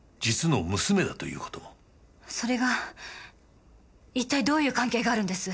それが一体どういう関係があるんです？